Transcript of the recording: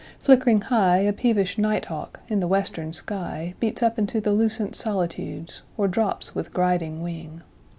Flickering high,5A peevish night hawk in the western sky6Beats up into the lucent solitudes,7Or drops with griding wing.